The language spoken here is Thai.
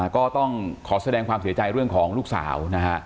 ก็ต้องขอแสดงความเสียใจเรื่องของลูกสาวนะฮะ